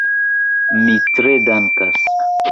Mi tre dankas.